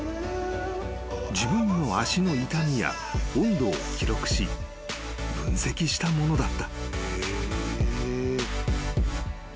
［自分の足の痛みや温度を記録し分析したものだった］